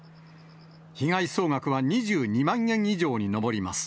被害総額は２２万円以上に上ります。